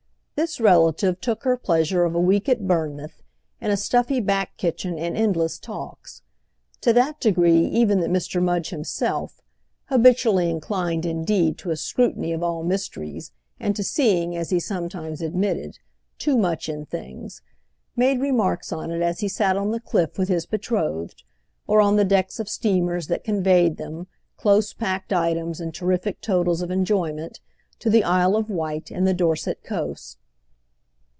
This relative took her pleasure of a week at Bournemouth in a stuffy back kitchen and endless talks; to that degree even that Mr. Mudge himself—habitually inclined indeed to a scrutiny of all mysteries and to seeing, as he sometimes admitted, too much in things—made remarks on it as he sat on the cliff with his betrothed, or on the decks of steamers that conveyed them, close packed items in terrific totals of enjoyment, to the Isle of Wight and the Dorset coast.